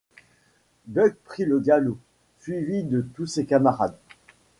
Buck prit le galop, suivi de tous ses camarades.